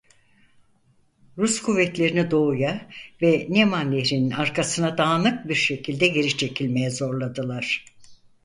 Rus kuvvetlerini doğuya ve Neman Nehri'nin arkasına dağınık bir şekilde geri çekilmeye zorladılar.